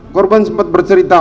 korban sempat bercerita